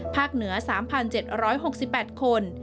ภาคเหนือ๓๗๖๘คน